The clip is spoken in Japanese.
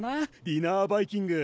ディナーバイキング。